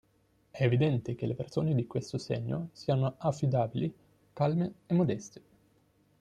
È evidente che le persone di questo segno siano affidabili, calme e modeste.